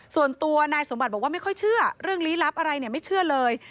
ส่วนตัวนายสมบัติบอกว่าไม่ค่อยเชื่อเรื่องลี้ลับอะไรเนี่ยไม่เชื่อเลย